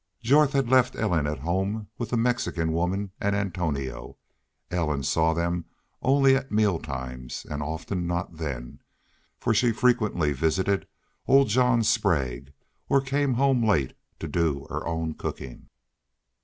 Jorth had left Ellen at home with the Mexican woman and Antonio. Ellen saw them only at meal times, and often not then, for she frequently visited old John Sprague or came home late to do her own cooking.